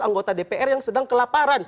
anggota dpr yang sedang ke laparan